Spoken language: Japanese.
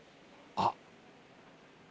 あっ！